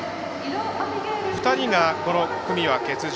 ２人がこの組は欠場。